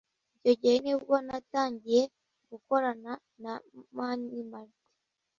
Icyo gihe nibwo natangiye gukorana na Mani Martin